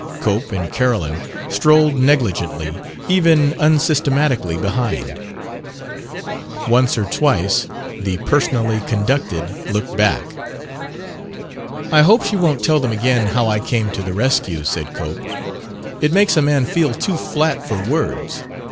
Cope and Carolyn strolled negligently even unsystematically behind. Once or twice the personally conducted looked back. "I hope she won't tell them again how I came to the rescue," said Cope. "It makes a man feel too flat for words.